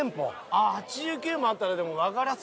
ああ８９もあったらでも。